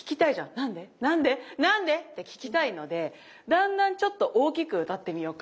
何で何で何でって聞きたいのでだんだんちょっと大きく歌ってみようか。